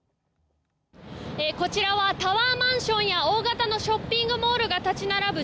こちらはタワーマンションや大型のショッピングモールが立ち並ぶ